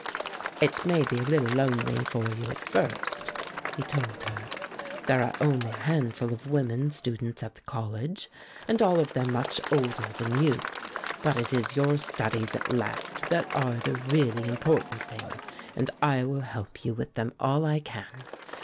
"It may be a little lonely for you at first," he told her. "There are only a handful of women students at the college, and all of them much older than you; but it is your studies at last that are the really important thing, and I will help you with them all I can.